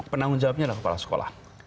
penanggung jawabnya adalah kepala sekolah